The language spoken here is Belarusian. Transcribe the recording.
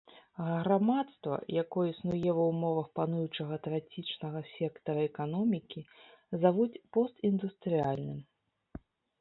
Грамадства, якое існуе ва ўмовах пануючага трацічнага сектара эканомікі, завуць постіндустрыяльным.